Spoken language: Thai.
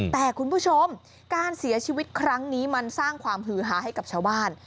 แต่คุณผู้ชมการเสียชีวิตครั้งนี้มันสร้างความหือหาให้กับชาวบ้าน